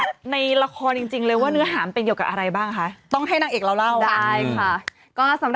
จากตลอดข่าวนะคะรับบทเป็นใบตองค่ะ